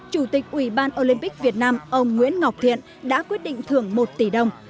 chủ tịch ủy ban olympic việt nam ông nguyễn ngọc thiện đã quyết định thưởng một tỷ đồng